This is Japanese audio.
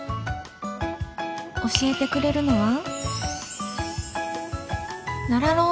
教えてくれるのは奈良